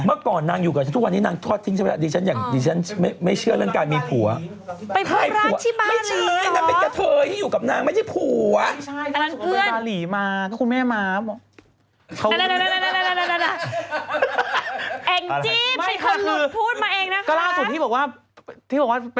เมื่อก่อนนางอยู่กับฉันทุกวันที่นางทอดทิ้งฉันไป